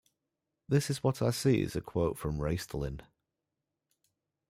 This is what I see is a quote from Raistlin.